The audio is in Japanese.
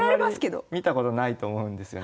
あんまり見たことないと思うんですよねこれ。